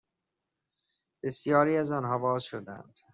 بسیاری از آنها باز شدهاند